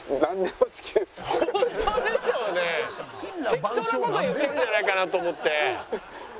適当な事言ってるんじゃないかなと思って。